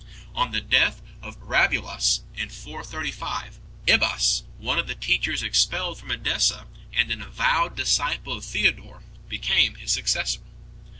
On the death of Rabulas in 435, Ibas, one of the teachers expelled from Edessa and an avowed disciple of Theodore, became his successor.